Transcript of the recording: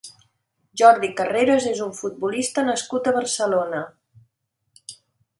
Jordi Carreras és un futbolista nascut a Barcelona.